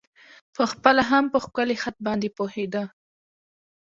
په خپله هم په ښکلی خط باندې پوهېده.